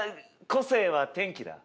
個性は天気だ。